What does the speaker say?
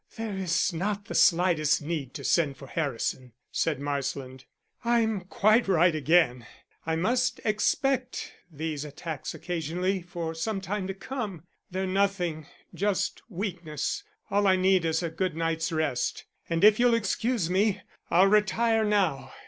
"There is not the slightest need to send for Harrison," said Marsland. "I'm quite right again. I must expect these attacks occasionally for some time to come. They're nothing just weakness. All I need is a good night's rest, and if you'll excuse me I'll retire now."